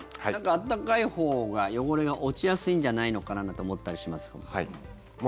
温かいほうが汚れが落ちやすいんじゃないのかなんて思ったりしますけども。